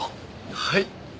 はい。